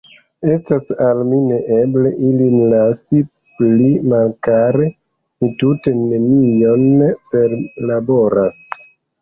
Estas al mi neeble ilin lasi pli malkare; mi tute nenion perlaboras.